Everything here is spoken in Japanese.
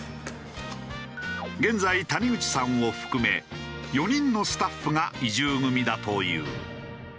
現在谷口さんを含め４人のスタッフが移住組だという。